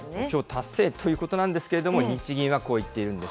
達成ということなんですけれども、日銀はこう言っているんで